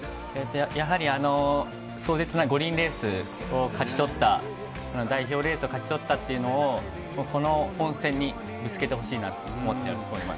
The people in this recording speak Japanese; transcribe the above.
やはり、壮絶な五輪レースを勝ち取った、代表レースを勝ち取ったっていうのを、この本戦にぶつけてほしいなと思っております。